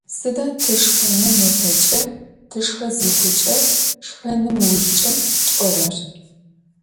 Сыда тэ шхэным ыпэкӏэ, тышхэ зыхъукӏэ, шхэным ыужкӏэ тӏорэр?